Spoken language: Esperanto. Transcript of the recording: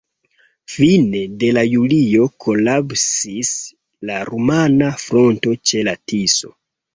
Fine de julio kolapsis la rumana fronto ĉe la Tiso.